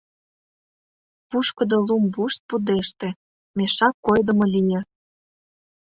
Пушкыдо лум вушт пудеште — мешак койдымо лие.